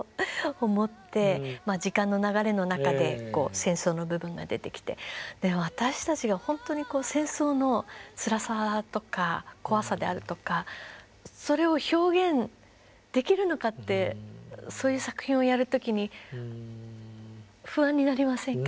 時間の流れの中で戦争の部分が出てきて私たちが本当に戦争のつらさとか怖さであるとかそれを表現できるのかってそういう作品をやる時に不安になりませんか？